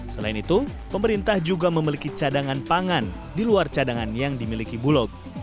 selain itu pemerintah juga memiliki cadangan pangan di luar cadangan yang dimiliki bulog